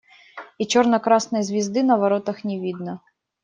И черно-красной звезды на воротах не видно.